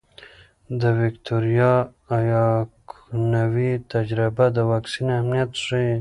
د ویکتوریا ایکانوي تجربه د واکسین اهمیت ښيي.